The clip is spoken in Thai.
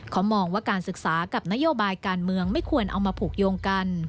เขามองว่าการศึกษากับนโยบายการเมืองไม่ควรเอามาผูกโยงกัน